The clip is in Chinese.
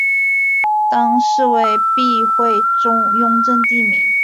当是为避讳雍正帝名。